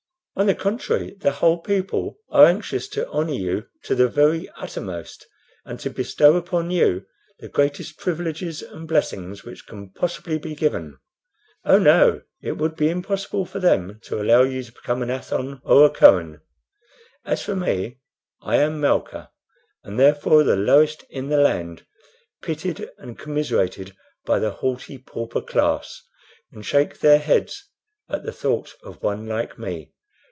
On the contrary, the whole people are anxious to honor you to the very uttermost, and to bestow upon you the greatest privileges and blessings which can possibly be given. Oh no, it would be impossible for them to allow you to become an Athon or a Kohen. As for me, I am Malca, and therefore the lowest in the land pitied and commiserated by the haughty pauper class, who shake their heads at the thought of one like me.